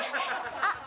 あっ！